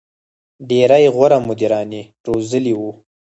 • ډېری غوره مدیران یې روزلي وو.